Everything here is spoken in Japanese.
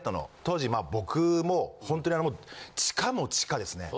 当時僕もうほんとに地下も地下ですね。